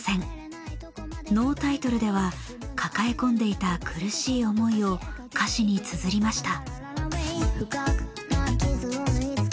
「Ｎｏｔｉｔｌｅ」では抱え込んでいた苦しい思いを歌詞につづりました。